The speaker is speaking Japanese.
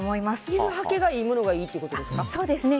水はけがいいものがいいってことですか？